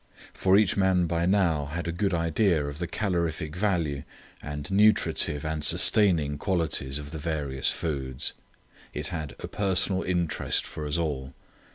For each man by now had a good idea of the calorific value and nutritive and sustaining qualities of the various foods. It had a personal interest for us all.